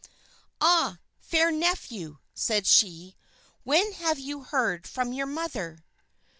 "Ah! fair nephew," said she, "when have you heard from your mother?"